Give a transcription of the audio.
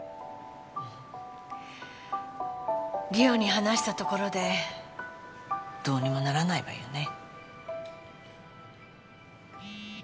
梨央に話したところでどうにもならないわよね？